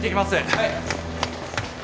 ・はい。